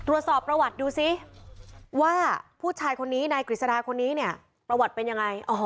ว่าผู้ชายคนนี้นายกฤษณาคนนี้เนี่ยประวัติเป็นยังไง